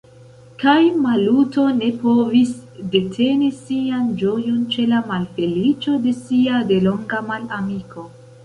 Kaj Maluto ne povis deteni sian ĝojon ĉe la malfeliĉo de sia delonga malamiko.